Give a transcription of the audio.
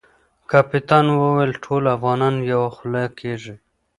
کپتان وویل ټول افغانان یوه خوله کیږي.